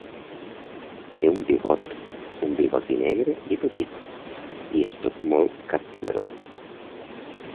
Té un bigot, un bigoti negre i petit, i és tot molt captivador.